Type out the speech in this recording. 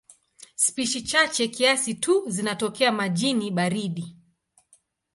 Spishi chache kiasi tu zinatokea majini baridi.